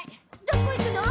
どこ行くの？